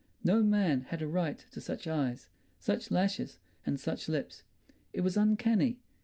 No man had a right to such eyes, such lashes, and such lips; it was uncanny.